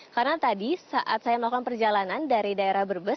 karena tadi saat saya melakukan perjalanan dari daerah berbes